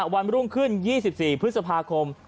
วันรุ่งขึ้น๒๔พฤษภาคม